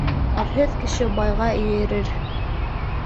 Әрһеҙ кеше байға эйәрер.